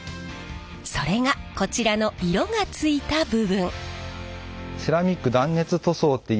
それがこちらの色がついた部分。